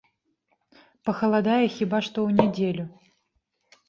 Пахаладае хіба што ў нядзелю.